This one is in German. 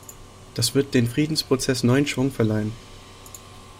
Das wird den Friedensprozess neuen Schwung verleihen.